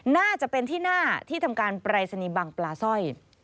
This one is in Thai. น่าจะเป็นที่หน้าที่ทำการปรายศนีย์บังปลาสร้อย